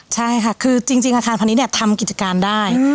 ใช่ค่ะคือจริงอาคารพาณิชย์เนี่ยทำกิจการได้